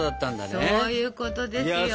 そういうことですよ。